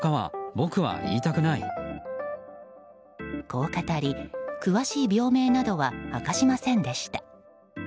こう語り、詳しい病名などは明かしませんでした。